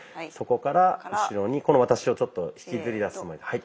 そこから後ろにこの私をちょっと引きずり出すつもりで。